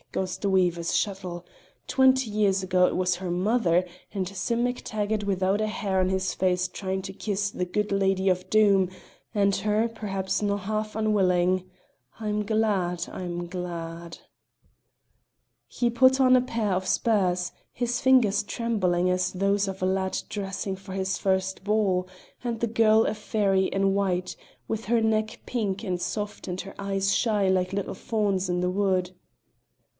goes the weaver's shuttle! Twenty years ago it was her mother, and Sim MacTaggart without a hair on his face trying to kiss the good lady of Doom, and her, perhaps na' half unwilling. I'm glad I'm glad." He put on a pair of spurs, his fingers trembling as those of a lad dressing for his first ball, and the girl a fairy in white, with her neck pink and soft and her eyes shy like little fawns in the wood.